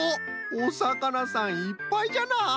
おさかなさんいっぱいじゃな。